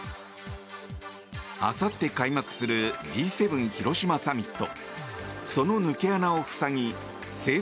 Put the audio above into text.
あさって開幕するＧ７広島サミット。